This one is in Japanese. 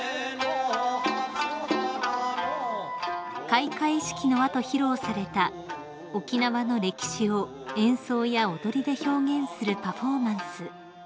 ［開会式の後披露された沖縄の歴史を演奏や踊りで表現するパフォーマンス］